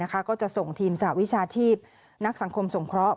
ก็จะส่งทีมสหวิชาชีพนักสังคมสงเคราะห